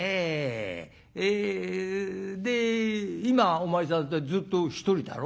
えで今お前さんずっと独りだろ？」。